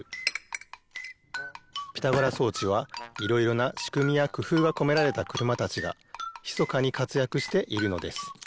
ピタゴラそうちはいろいろなしくみやくふうがこめられたくるまたちがひそかにかつやくしているのです。